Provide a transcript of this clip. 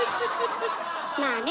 まあね